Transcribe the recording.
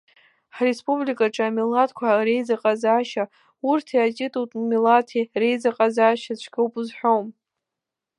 Ҳреспубликаҿы амилаҭқәа реизыҟазаашьа, урҭи атитултә милаҭи реизыҟазаашьа цәгьоуп узҳәом.